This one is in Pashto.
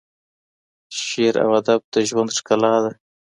شعر او ادب د ژوند ښکلا ده.